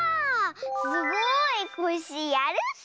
すごいコッシーやるッス。